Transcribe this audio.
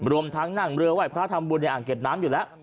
รวมทั้งนั่งเรือไห้พระทำบุญในอ่างเก็บน้ำอยู่แล้ว